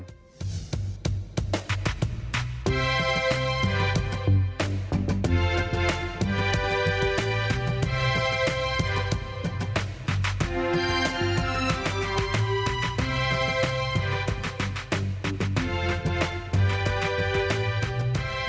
มีศักดิ์มาเยอะกลับมา